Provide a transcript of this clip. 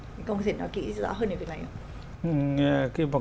các ông có thể nói kỹ rõ hơn về này không